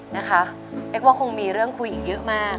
นะคะจะว่าคงมีเรื่องคุยเยอะมาก